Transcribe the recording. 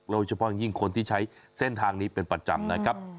โดยเฉพาะอย่างยิ่งคนที่ใช้เส้นทางนี้เป็นประจำนะครับ